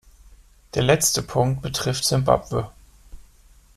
Der letzte Punkt betrifft Simbabwe.